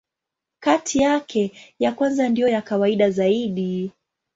Kati yake, ya kwanza ndiyo ya kawaida zaidi.